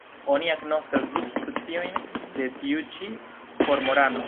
Oni agnoskas du subspeciojn de tiu ĉi kormorano.